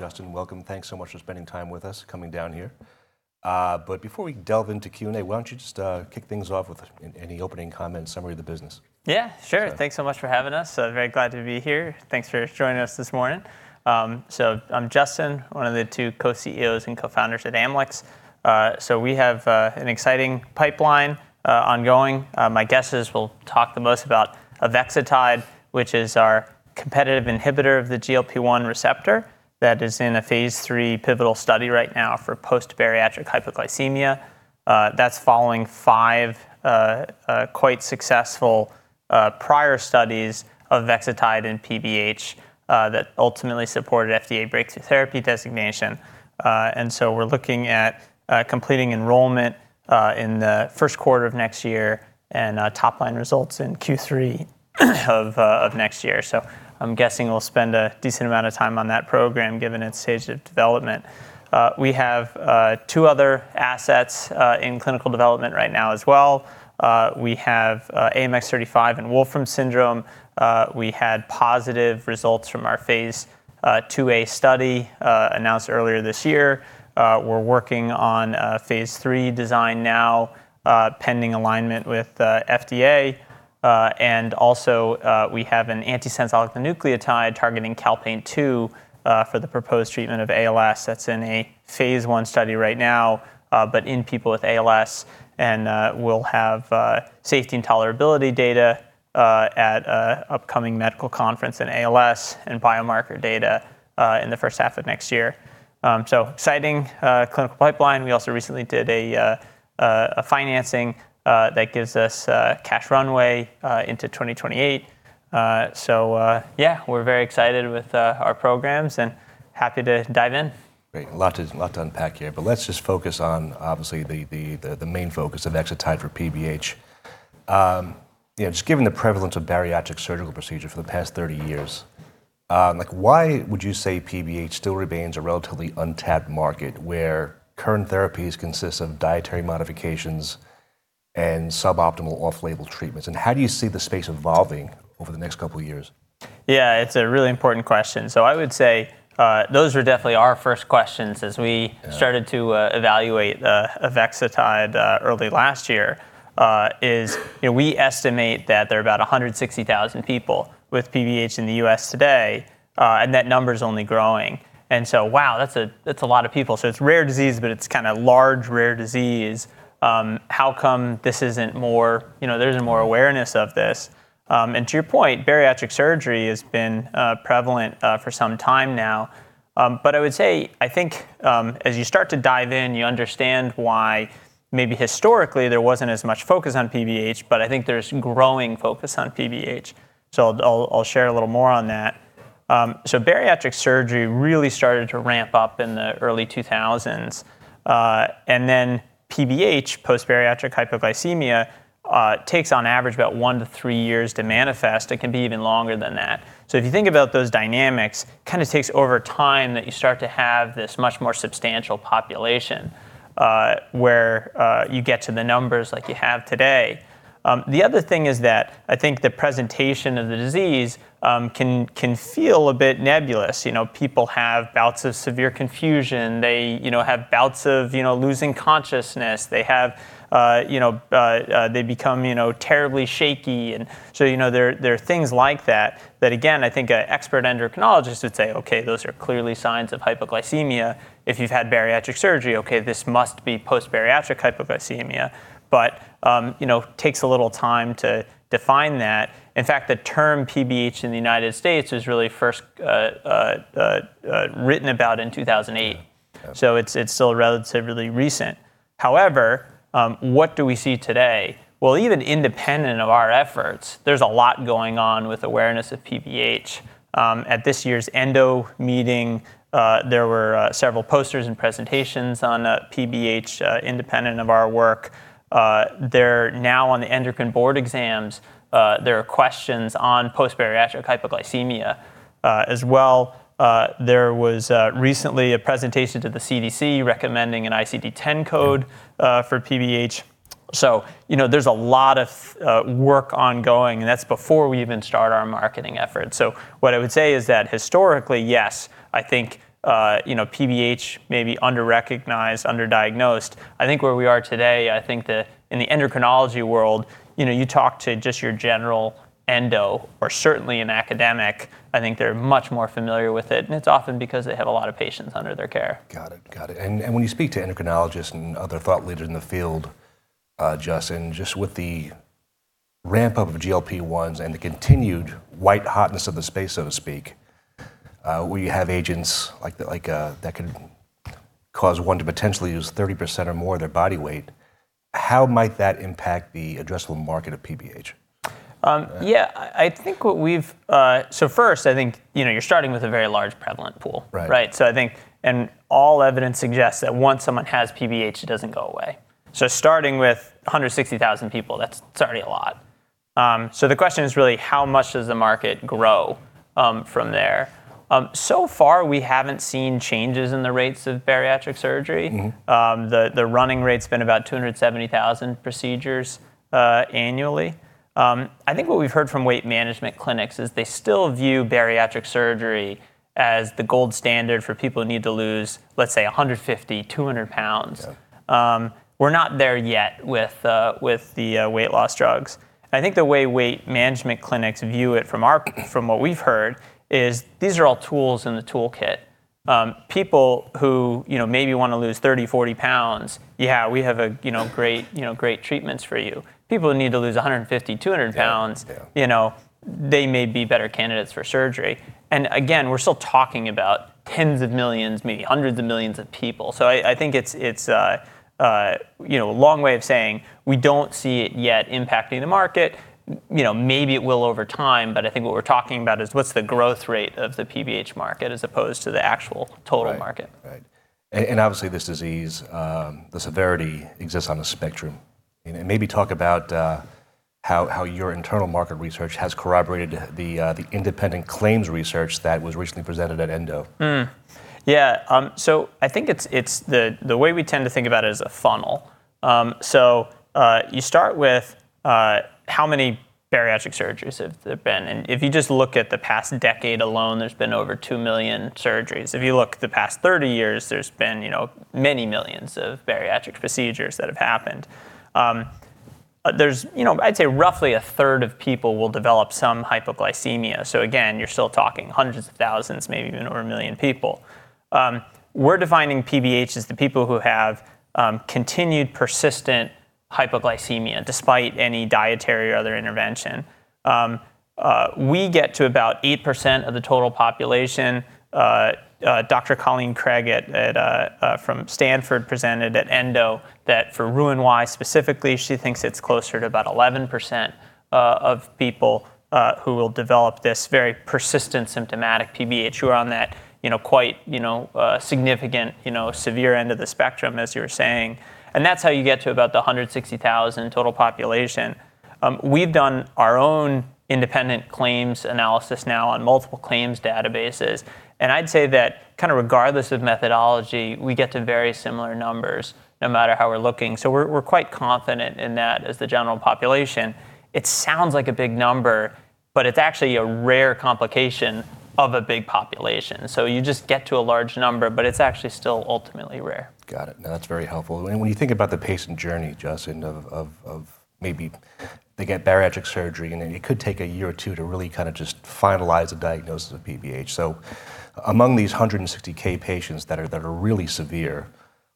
Justin, welcome. Thanks so much for spending time with us coming down here. Before we delve into Q&A, why don't you just kick things off with any opening comments, summary of the business? Yeah, sure. Thanks so much for having us. Very glad to be here. Thanks for joining us this morning. I'm Justin, one of the two Co-CEOs and Co-Founders at Amylyx. We have an exciting pipeline ongoing. My guess is we'll talk the most about Avexitide, which is our competitive inhibitor of the GLP-1 receptor that is in a phase three pivotal study right now for post-bariatric hypoglycemia. That's following five quite successful prior studies of Avexitide and PBH that ultimately supported FDA Breakthrough Therapy Designation. We're looking at completing enrollment in the first quarter of next year and top line results in Q3 of next year. I'm guessing we'll spend a decent amount of time on that program given its stage of development. We have two other assets in clinical development right now as well. We have AMX0035 in Wolfram syndrome. We had positive results from our phase II-A study announced earlier this year. We are working on phase III design now, pending alignment with FDA. We also have an antisense oligonucleotide targeting Calpain-2 for the proposed treatment of ALS. That is in a phase I study right now, but in people with ALS. We will have safety and tolerability data at an upcoming medical conference in ALS and biomarker data in the first half of next year. Exciting clinical pipeline. We also recently did a financing that gives us cash runway into 2028. We are very excited with our programs and happy to dive in. Great. A lot to unpack here, but let's just focus on obviously the main focus of Avexitide for PBH. Just given the prevalence of bariatric surgical procedures for the past 30 years, why would you say PBH still remains a relatively untapped market where current therapies consist of dietary modifications and suboptimal off-label treatments? How do you see the space evolving over the next couple of years? Yeah, it's a really important question. I would say those were definitely our first questions as we started to evaluate Avexitide early last year is we estimate that there are about 160,000 people with PBH in the U.S. today, and that number is only growing. Wow, that's a lot of people. It's a rare disease, but it's kind of large, rare disease. How come this isn't more, there's more awareness of this? To your point, bariatric surgery has been prevalent for some time now. I would say, I think as you start to dive in, you understand why maybe historically there wasn't as much focus on PBH, but I think there's growing focus on PBH. I'll share a little more on that. Bariatric surgery really started to ramp up in the early 2000s. PBH, post-bariatric hypoglycemia, takes on average about one to three years to manifest. It can be even longer than that. If you think about those dynamics, it kind of takes over time that you start to have this much more substantial population where you get to the numbers like you have today. The other thing is that I think the presentation of the disease can feel a bit nebulous. People have bouts of severe confusion. They have bouts of losing consciousness. They become terribly shaky. There are things like that that again, I think an expert endocrinologist would say, okay, those are clearly signs of hypoglycemia. If you've had bariatric surgery, okay, this must be post-bariatric hypoglycemia, but it takes a little time to define that. In fact, the term PBH in the United States was really first written about in 2008. It is still relatively recent. However, what do we see today? Even independent of our efforts, there is a lot going on with awareness of PBH. At this year's ENDO meeting, there were several posters and presentations on PBH independent of our work. They are now on the endocrine board exams. There are questions on post-bariatric hypoglycemia as well. There was recently a presentation to the CDC recommending an ICD-10 code for PBH. There is a lot of work ongoing, and that is before we even start our marketing efforts. What I would say is that historically, yes, I think PBH may be under-recognized, underdiagnosed. I think where we are today, in the endocrinology world, you talk to just your general endo or certainly an academic, I think they are much more familiar with it. It is often because they have a lot of patients under their care. Got it. Got it. When you speak to endocrinologists and other thought leaders in the field, Justin, just with the ramp up of GLP-1s and the continued white hotness of the space, so to speak, where you have agents that could cause one to potentially lose 30% or more of their body weight, how might that impact the addressable market of PBH? Yeah, I think what we've, so first, I think you're starting with a very large prevalent pool, right? I think, and all evidence suggests that once someone has PBH, it doesn't go away. Starting with 160,000 people, that's already a lot. The question is really how much does the market grow from there? So far, we haven't seen changes in the rates of bariatric surgery. The running rate's been about 270,000 procedures annually. I think what we've heard from weight management clinics is they still view bariatric surgery as the gold standard for people who need to lose, let's say, 150 lbs, 200 lbs. We're not there yet with the weight loss drugs. I think the way weight management clinics view it from what we've heard is these are all tools in the toolkit. People who maybe want to lose 30 lbs-40 lbs, yeah, we have great treatments for you. People who need to lose 150 lbs-200 lbs, they may be better candidates for surgery. We are still talking about 10,000,000 maybe 100,000,000 of people. I think it is a long way of saying we do not see it yet impacting the market. Maybe it will over time, but I think what we are talking about is what is the growth rate of the PBH market as opposed to the actual total market. Right. Obviously this disease, the severity exists on a spectrum. Maybe talk about how your internal market research has corroborated the independent claims research that was recently presented at ENDO. Yeah. I think it's the way we tend to think about it as a funnel. You start with how many bariatric surgeries have there been? If you just look at the past decade alone, there's been over 2 million surgeries. If you look at the past 30 years, there's been many millions of bariatric procedures that have happened. I'd say roughly 1/3 of people will develop some hypoglycemia. Again, you're still talking hundreds of thousands, maybe even over a million people. We're defining PBH as the people who have continued persistent hypoglycemia despite any dietary or other intervention. We get to about 8% of the total population. Dr. Colleen Craig from Stanford presented at ENDO that for Roux-en-Y specifically, she thinks it's closer to about 11% of people who will develop this very persistent symptomatic PBH who are on that quite significant severe end of the spectrum, as you were saying. That's how you get to about the 160,000 total population. We've done our own independent claims analysis now on multiple claims databases. I'd say that kind of regardless of methodology, we get to very similar numbers no matter how we're looking. We're quite confident in that as the general population. It sounds like a big number, but it's actually a rare complication of a big population. You just get to a large number, but it's actually still ultimately rare. Got it. No, that's very helpful. When you think about the patient journey, Justin, of maybe they get bariatric surgery and then it could take a year or two to really kind of just finalize a diagnosis of PBH. Among these 160,000 patients that are really severe,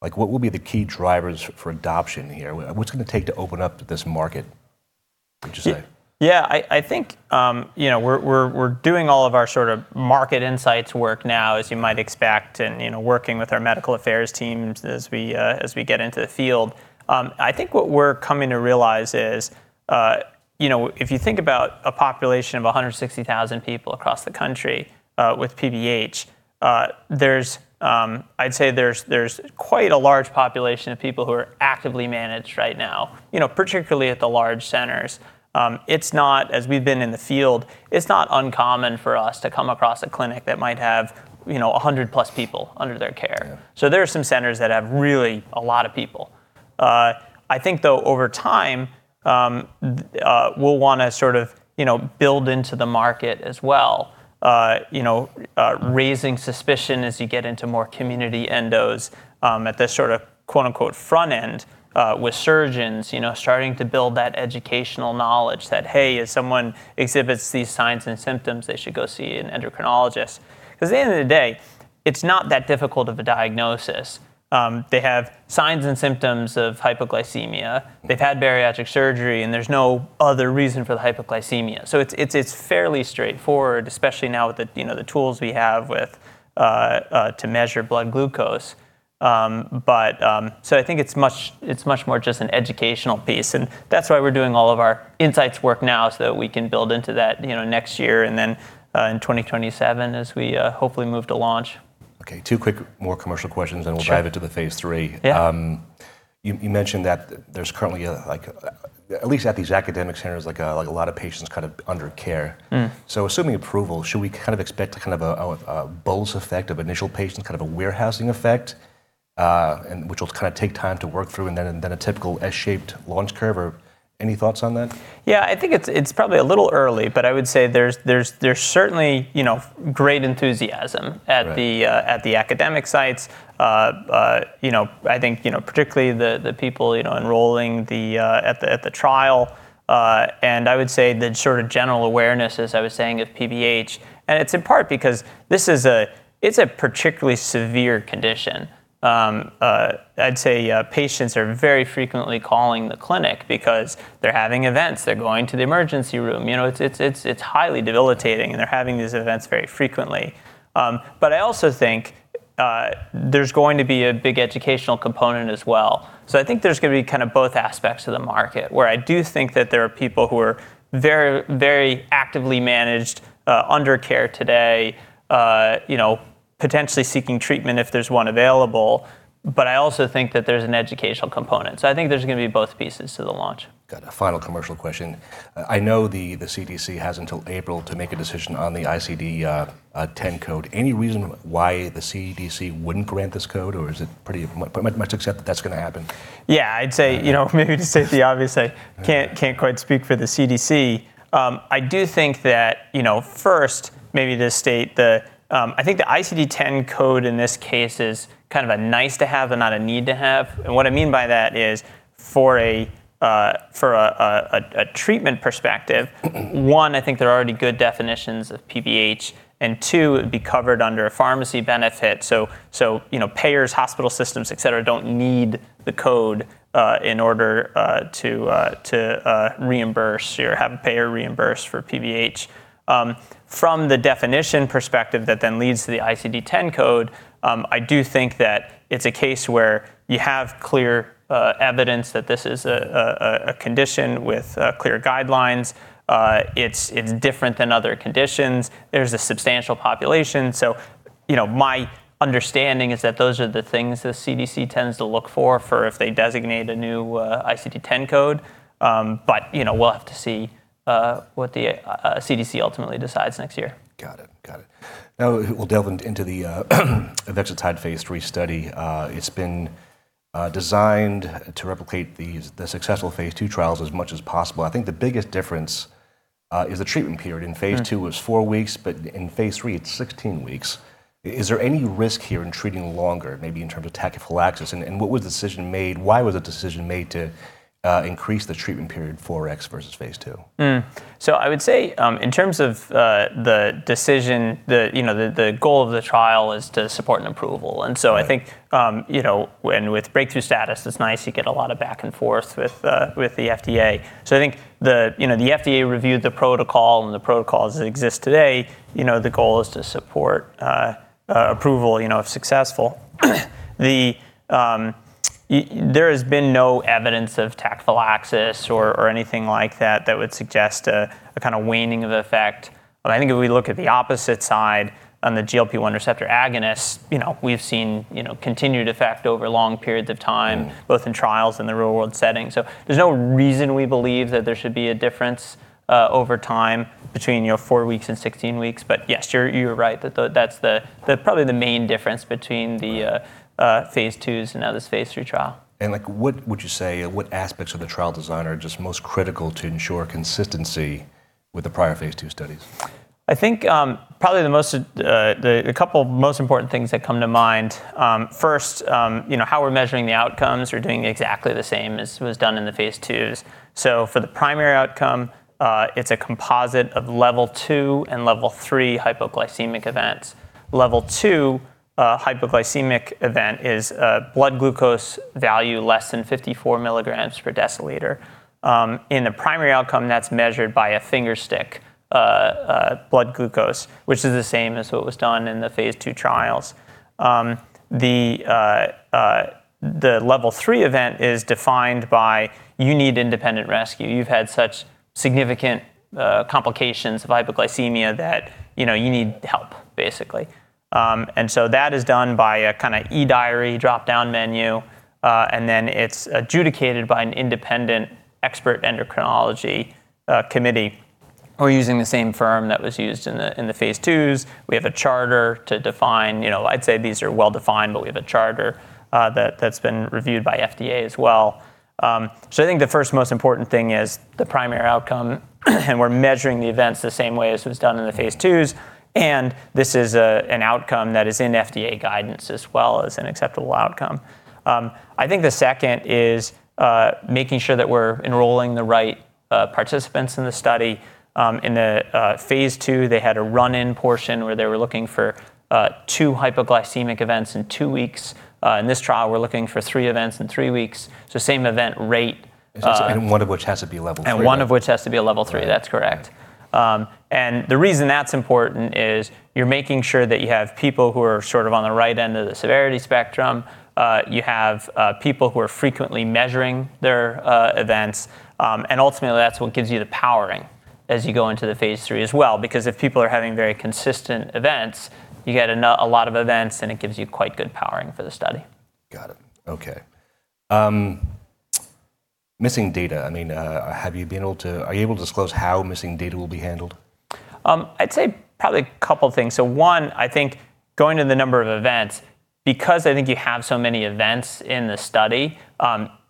what will be the key drivers for adoption here? What's going to take to open up this market, would you say? Yeah, I think we're doing all of our sort of market insights work now, as you might expect, and working with our medical affairs teams as we get into the field. I think what we're coming to realize is if you think about a population of 160,000 people across the country with PBH, I'd say there's quite a large population of people who are actively managed right now, particularly at the large centers. As we've been in the field, it's not uncommon for us to come across a clinic that might have 100+ people under their care. There are some centers that have really a lot of people. I think though over time, we'll want to sort of build into the market as well, raising suspicion as you get into more community endos at this sort of quote unquote front end with surgeons starting to build that educational knowledge that, hey, if someone exhibits these signs and symptoms, they should go see an endocrinologist. Because at the end of the day, it's not that difficult of a diagnosis. They have signs and symptoms of hypoglycemia. They've had bariatric surgery and there's no other reason for the hypoglycemia. It is fairly straightforward, especially now with the tools we have to measure blood glucose. I think it's much more just an educational piece. That's why we're doing all of our insights work now so that we can build into that next year and then in 2027 as we hopefully move to launch. Okay. Two quick more commercial questions and we'll dive into the phase III. You mentioned that there's currently, at least at these academic centers, a lot of patients kind of under care. Assuming approval, should we kind of expect kind of a bolus effect of initial patients, kind of a warehousing effect, which will kind of take time to work through and then a typical S-shaped launch curve? Any thoughts on that? Yeah, I think it's probably a little early, but I would say there's certainly great enthusiasm at the academic sites. I think particularly the people enrolling at the trial. I would say the sort of general awareness, as I was saying, of PBH. It's in part because it's a particularly severe condition. I'd say patients are very frequently calling the clinic because they're having events. They're going to the emergency room. It's highly debilitating and they're having these events very frequently. I also think there's going to be a big educational component as well. I think there's going to be kind of both aspects of the market where I do think that there are people who are very, very actively managed under care today, potentially seeking treatment if there's one available. I also think that there's an educational component. I think there's going to be both pieces to the launch. Got it. Final commercial question. I know the CDC has until April to make a decision on the ICD-10 code. Any reason why the CDC wouldn't grant this code or is it pretty much accept that that's going to happen? Yeah, I'd say maybe to state the obvious, I can't quite speak for the CDC. I do think that first, maybe to state, I think the ICD-10 code in this case is kind of a nice to have and not a need to have. What I mean by that is for a treatment perspective, one, I think there are already good definitions of PBH. Two, it'd be covered under a pharmacy benefit. Payers, hospital systems, et cetera, don't need the code in order to reimburse or have a payer reimburse for PBH. From the definition perspective that then leads to the ICD-10 code, I do think that it's a case where you have clear evidence that this is a condition with clear guidelines. It's different than other conditions. There's a substantial population. My understanding is that those are the things the CDC tends to look for if they designate a new ICD-10 code. We'll have to see what the CDC ultimately decides next year. Got it. Got it. Now we'll delve into the eventual TIDE phase III study. It's been designed to replicate the successful phase II trials as much as possible. I think the biggest difference is the treatment period. In phase II was four weeks, but in phase III, it's 16 weeks. Is there any risk here in treating longer, maybe in terms of tachyphylaxis? And what was the decision made? Why was the decision made to increase the treatment period 4X versus phase II? I would say in terms of the decision, the goal of the trial is to support an approval. I think with breakthrough status, it's nice to get a lot of back and forth with the FDA. I think the FDA reviewed the protocol and the protocols that exist today. The goal is to support approval if successful. There has been no evidence of tachyphylaxis or anything like that that would suggest a kind of waning of effect. I think if we look at the opposite side on the GLP-1 receptor agonist, we've seen continued effect over long periods of time, both in trials and the real-world setting. There's no reason we believe that there should be a difference over time between four weeks and 16 weeks. Yes, you're right that that's probably the main difference between the phase IIs and now this phase III trial. What would you say, what aspects of the trial design are just most critical to ensure consistency with the prior phase II studies? I think probably the couple of most important things that come to mind. First, how we're measuring the outcomes, we're doing exactly the same as was done in the phase IIs. For the primary outcome, it's a composite of level two and level three hypoglycemic events. Level two hypoglycemic event is blood glucose value less than 54 mg per dL. In the primary outcome, that's measured by a fingerstick blood glucose, which is the same as what was done in the phase II trials. The level three event is defined by you need independent rescue. You've had such significant complications of hypoglycemia that you need help, basically. That is done by a kind of eDiary dropdown menu. It is adjudicated by an independent expert endocrinology committee. We're using the same firm that was used in the phase IIs. We have a charter to define, I'd say these are well defined, but we have a charter that's been reviewed by FDA as well. I think the first most important thing is the primary outcome. We're measuring the events the same way as was done in the phase IIs. This is an outcome that is in FDA guidance as well as an acceptable outcome. I think the second is making sure that we're enrolling the right participants in the study. In the phase II, they had a run-in portion where they were looking for two hypoglycemic events in two weeks. In this trial, we're looking for three events in three weeks. Same event rate. One of which has to be level two. One of which has to be a level three. That's correct. The reason that's important is you're making sure that you have people who are sort of on the right end of the severity spectrum. You have people who are frequently measuring their events. Ultimately, that's what gives you the powering as you go into the phase III as well. Because if people are having very consistent events, you get a lot of events and it gives you quite good powering for the study. Got it. Okay. Missing data. I mean, have you been able to, are you able to disclose how missing data will be handled? I'd say probably a couple of things. One, I think going to the number of events, because I think you have so many events in the study,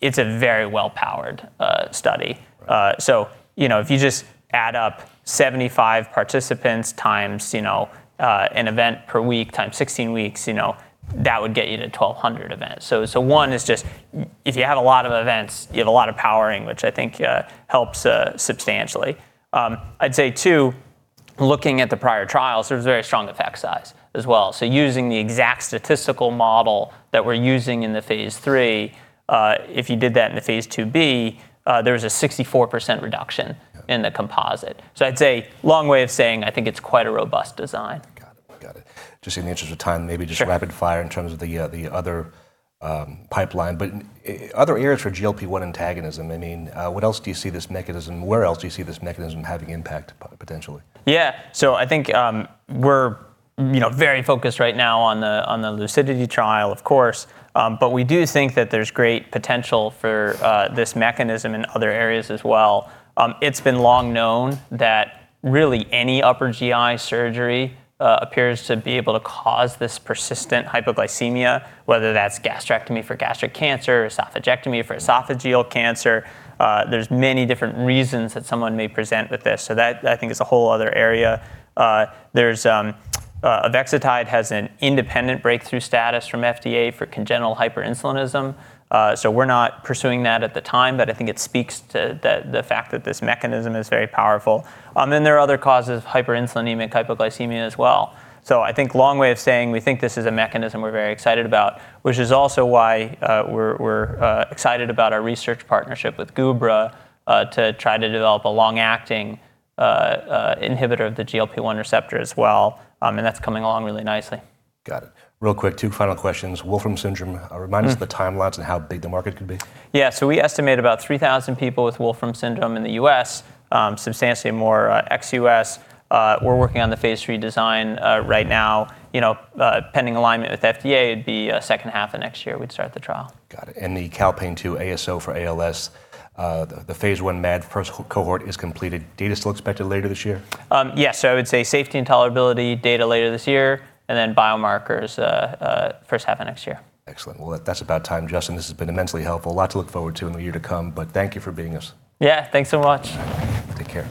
it's a very well-powered study. If you just add up 75 participants x an event per week x 16 weeks, that would get you to 1,200 events. One is just if you have a lot of events, you have a lot of powering, which I think helps substantially. I'd say two, looking at the prior trials, there's very strong effect size as well. Using the exact statistical model that we're using in the phase III, if you did that in the phase II-B, there was a 64% reduction in the composite. I'd say long way of saying, I think it's quite a robust design. Got it. Got it. Just in the interest of time, maybe just rapid fire in terms of the other pipeline. But other areas for GLP-1 antagonism, I mean, what else do you see this mechanism, where else do you see this mechanism having impact potentially? Yeah. I think we're very focused right now on the lucidity trial, of course. We do think that there's great potential for this mechanism in other areas as well. It's been long known that really any upper GI surgery appears to be able to cause this persistent hypoglycemia, whether that's gastrectomy for gastric cancer or esophagectomy for esophageal cancer. There are many different reasons that someone may present with this. I think that is a whole other area. Avexitide has an independent breakthrough status from FDA for congenital hyperinsulinism. We're not pursuing that at the time, but I think it speaks to the fact that this mechanism is very powerful. There are other causes of hyperinsulinemic hypoglycemia as well. I think long way of saying, we think this is a mechanism we're very excited about, which is also why we're excited about our research partnership with Gubra to try to develop a long-acting inhibitor of the GLP-1 receptor as well. That's coming along really nicely. Got it. Real quick, two final questions. Wolfram syndrome, remind us of the timelines and how big the market could be. Yeah. We estimate about 3,000 people with Wolfram syndrome in the U.S., substantially more ex-U.S.. We're working on the phase III design right now. Pending alignment with FDA, it'd be second half of next year we'd start the trial. Got it. The Calpain-2 ASO for ALS, the phase I MAD first cohort is completed. Data is still expected later this year? Yes. I would say safety and tolerability data later this year and then biomarkers first half of next year. Excellent. That is about time, Justin. This has been immensely helpful. Lots to look forward to in the year to come. Thank you for being with us. Yeah. Thanks so much. Take care.